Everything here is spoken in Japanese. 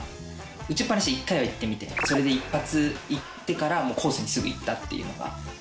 打ちっ放し１回は行ってみて一発行ってからコースにすぐ行ったっていうのが。